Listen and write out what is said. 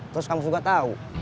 terus kamu juga tahu